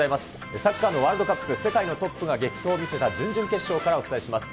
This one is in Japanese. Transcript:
サッカーのワールドカップ、世界のトップが激闘を見せた準々決勝からお伝えします。